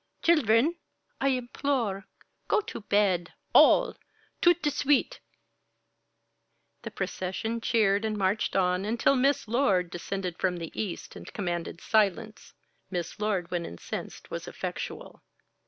Children! I implore. Go to bed all tout de suite!" The procession cheered and marched on, until Miss Lord descended from the East and commanded silence. Miss Lord when incensed was effectual.